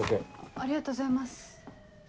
ありがとうございます。